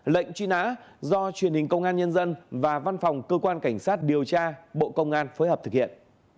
lệnh truy nã do truyền hình công an nhân dân và văn phòng cơ quan cảnh sát điều tra bộ công an phối hợp thực hiện